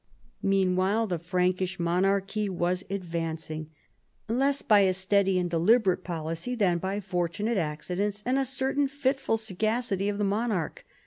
Meanwhile the Frankish monarchy was advancing, less by a steady and deliberate policy than by fortunate accidents and a certain fitful sagacity of the monarch.